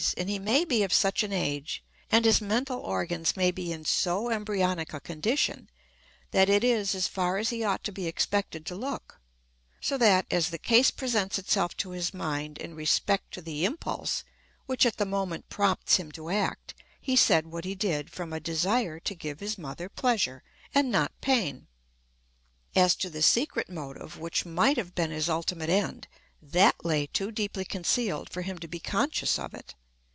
And he may be of such an age, and his mental organs may be in so embryonic a condition, that it is as far as he ought to be expected to look; so that, as the case presents itself to his mind in respect to the impulse which at the moment prompts him to act, he said what he did from a desire to give his mother pleasure, and not pain. As to the secret motive, which might have been his ultimate end, that lay too deeply concealed for him to be conscious of it.